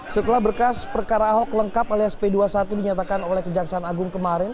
setelah berkas perkara ahok lengkap alias p dua puluh satu dinyatakan oleh kejaksaan agung kemarin